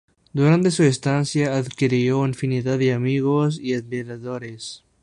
Durante su estancia, adquirió infinidad de amigos y admiradores.